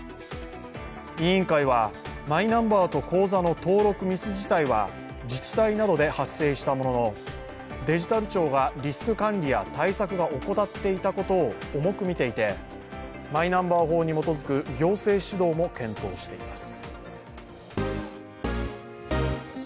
委員会は、マイナンバーと口座の登録ミス自体は自治体などで発生したもののデジタル庁がリスク管理や対策が怠っていたことを重く見ていて、マイナンバー法に基づく行政指導も検討しています。